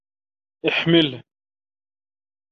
احمله.